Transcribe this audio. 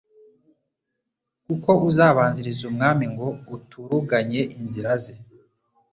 kuko uzabanziriza Umwami ngo uturuganye inzira ze,